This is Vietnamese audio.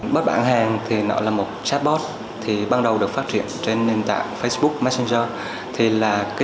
bốt bản hàng là một chatbot ban đầu được phát triển trên nền tảng facebook messenger